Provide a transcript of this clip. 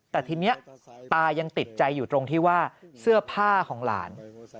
แต่ทีนี้ตายังติดใจอยู่ตรงที่ว่าเสื้อผ้าของหลาน